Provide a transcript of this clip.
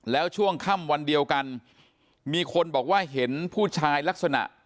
แล้วช่วงค่ำวันเดียวกันมีคนบอกว่าเห็นผู้ชายลักษณะ